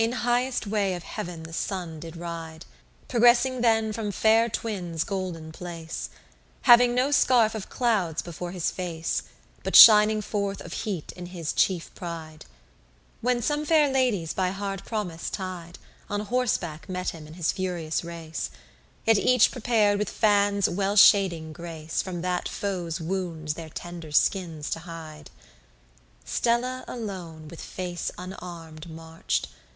22 In highest way of heav'n the Sun did ride, Progressing then from fair twins' golden place: Having no scarf of clouds before his face, But shining forth of heat in his chief pride; When some fair ladies by hard promise tied, On horseback met him in his furious race, Yet each prepar'd with fan's well shading grace From that foe's wounds their tender skins to hide. Stella alone with face unarmed march'd.